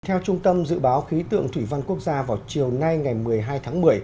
theo trung tâm dự báo khí tượng thủy văn quốc gia vào chiều nay ngày một mươi hai tháng một mươi